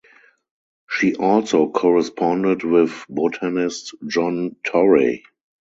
She also corresponded with botanist John Torrey.